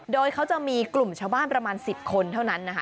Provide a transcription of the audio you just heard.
โดยเขาจะมีกลุ่มชาวบ้านประมาณ๑๐คนเท่านั้นนะคะ